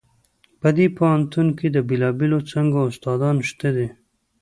په دې پوهنتون کې د بیلابیلو څانګو استادان شته دي